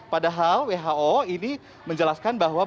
padahal who ini menjelaskan bahwa